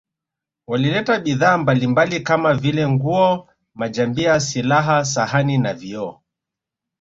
Walileta bidhaa mbalimbali kama vile nguo majambia silaha sahani na vioo